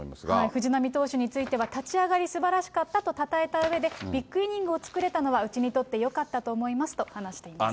藤浪投手については、立ち上がり、すばらしかったと、たたえたうえで、ビッグイニングを作れたのは、うちにとってよかったと思いますと話しています。